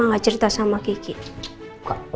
gue satu minggu